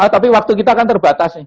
tapi waktu kita kan terbatas nih